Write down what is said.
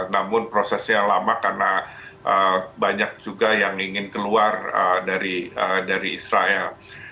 namun prosesnya lama karena banyak juga yang ingin keluar dari israel